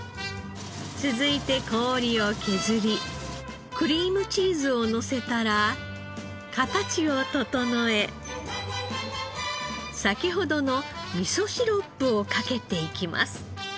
続いて氷を削りクリームチーズをのせたら形を整え先ほどの味噌シロップをかけていきます。